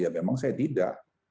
ya memang saya tidak